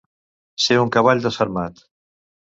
Ser un cavall desfermat.